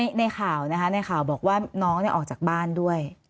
ในข่าวนะคะในข่าวบอกว่าน้องออกจากบ้านด้วย